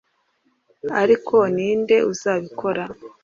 Ariko ni nde uzabikora